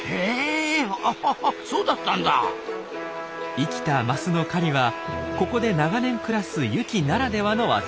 生きたマスの狩りはここで長年暮らすユキならではの技。